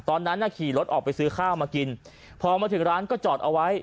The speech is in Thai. ตอนนั้นน่ะขี่รถออกไปซื้อข้าวมากินพอมาถึงร้านก็จอดเอาไว้